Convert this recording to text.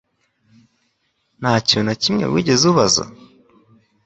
Nta kintu na kimwe wigeze ubaza?